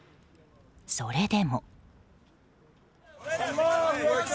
それでも。